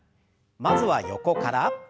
まずは横から。